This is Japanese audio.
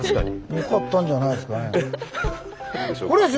よかったんじゃないですかね。